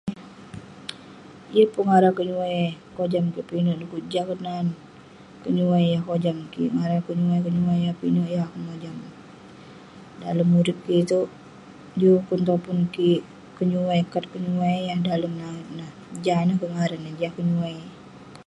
yeng pun ngaran kenyuai kojam kik pinek du'kuk jah kerk nan kenyuai yah kojam kik..ngaran kenyuai kenyuai yah pinek, yeng akouk mojam dalem urip kik itouk, jin ukun topun kik, kenyuai kat kenyuai yah dalem narak nah, jah ineh keh ngaran neh, jah kenyuai